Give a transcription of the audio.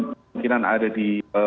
mungkin ada di